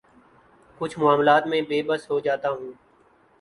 کچھ معاملات میں بے بس ہو جاتا ہوں